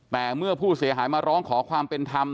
แต่เมื่อผู้เสียหายมาร้องขอความเป็นธรรม